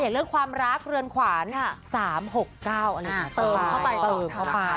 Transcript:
เรื่องความรักเรือนขวาน๓๖๙เติมเข้าไปเติมเข้าไป